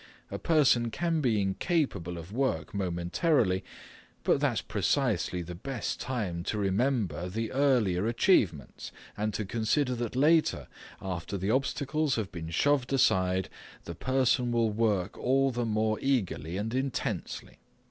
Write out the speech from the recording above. A person can be incapable of work momentarily, but that's precisely the best time to remember the earlier achievements and to consider that later, after the obstacles have been shoved aside, the person will work all the more eagerly and intensely.